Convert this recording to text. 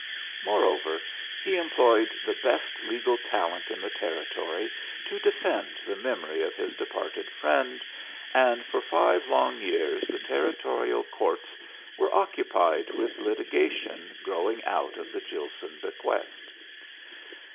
Moreover, he employed the best legal talent in the Territory to defend the memory of his departed friend, and for five long years the Territorial courts were occupied with litigation growing out of the Gilson bequest.